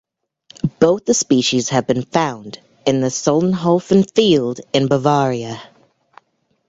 Both the species have been found in the Solnhofen field in Bavaria.